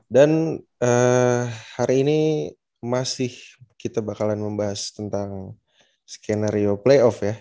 dan hari ini masih kita bakalan membahas tentang skenario playoff ya